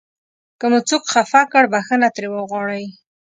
که مو څوک خفه کړ بښنه ترې وغواړئ.